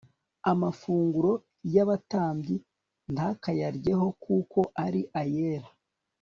amafunguro y'abatambyi ntakayaryeho kuko ari ayera